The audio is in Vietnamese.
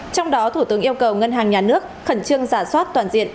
trong đó thủ tướng yêu cầu ngân hàng nhà nước khẩn trương giả soát toàn diện